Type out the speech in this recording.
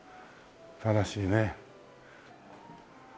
新しいね。